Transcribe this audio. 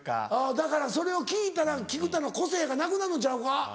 だからそれを聞いたら菊田の個性がなくなるのちゃうか？